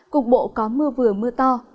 cục bộ có mưa vừa mưa to